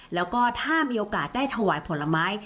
แล้วก็ถ้ามีโอกาสได้ถวายผลไม้